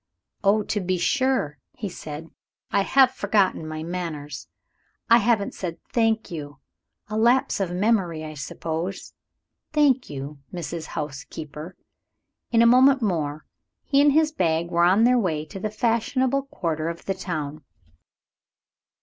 "Oh, to be sure!" he said, "I have forgotten my manners, I haven't said Thank you. A lapse of memory, I suppose. Thank you, Mrs. Housekeeper." In a moment more, he and his bag were on their way to the fashionable quarter of the town.